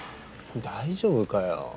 大丈夫かよ。